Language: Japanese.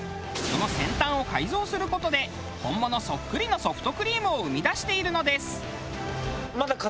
その先端を改造する事で本物そっくりのソフトクリームを生み出しているのです。